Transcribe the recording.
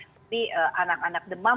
tapi anak anak demam